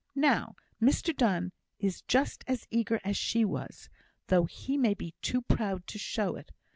Now, Mr Donne is just as eager as she was, though he may be too proud to show it.